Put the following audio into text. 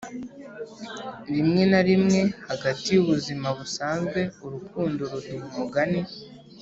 rimwe na rimwe, hagati yubuzima busanzwe, urukundo ruduha umugani